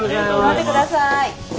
飲んでください。